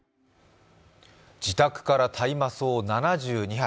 自宅から大麻草７２鉢。